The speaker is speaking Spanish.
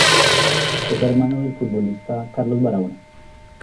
Es hermano del futbolista Carlos Barahona.